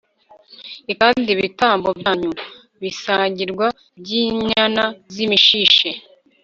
l kandi ibitambo byanyu bisangirwa by inyana z imishishe